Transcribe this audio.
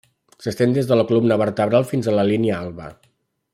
S'estén des de la columna vertebral fins a la línia alba.